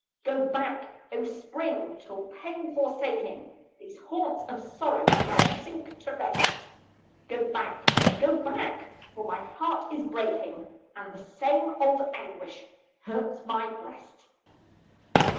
Go back, O spring! till pain, forsaking These haunts of sorrow, shall sink to rest. Go back! go back! for my heart is breaking, And the same old anguish hurts my breast.